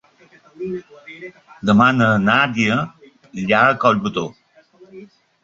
Demà na Nàdia irà a Collbató.